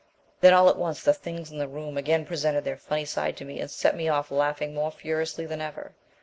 "Then, all at once, the things in the room again presented their funny side to me and set me off laughing more furiously than ever.